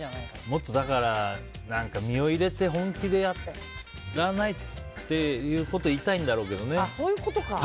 もっと身を入れて本気でやらないとっていうことを言いたいんだろうけど。